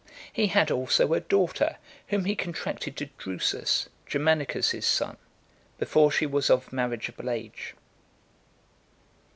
He had also a daughter, whom he contracted to Drusus, Germanicus's son, before she was of marriageable age.